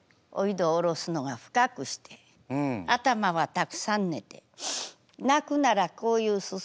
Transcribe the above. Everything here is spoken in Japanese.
どおろすのが深くして頭はたくさん寝て泣くならこういうすすり上げる。